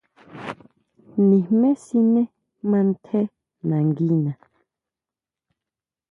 Nijmé siné mantjé nanguina.